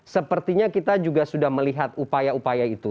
sepertinya kita juga sudah melihat upaya upaya itu